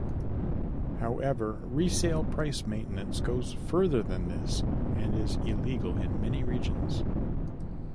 However, resale price maintenance goes further than this and is illegal in many regions.